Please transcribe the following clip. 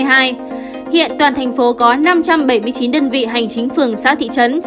hiện toàn thành phố có năm trăm bảy mươi chín đơn vị hành chính phường xã thị trấn